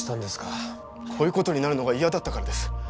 こういう事になるのが嫌だったからです。